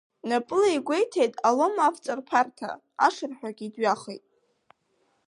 Напыла игәеиҭеит алом авҵарԥарҭа, ашырҳәагьы дҩахеит.